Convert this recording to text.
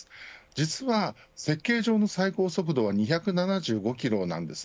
実は設計上の最高速度は２７５キロなんです。